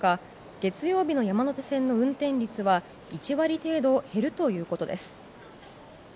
月曜日の山手線の運転率は１割程度減るということです。